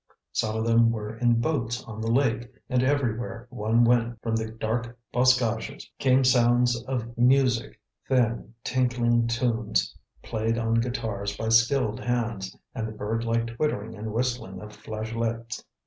Some of them were in boats on the lake, and everywhere one went, from the dark boscages, came sounds of music, thin, tinkling tunes played on guitars by skilled hands, and the bird like twittering and whistling of flageolets.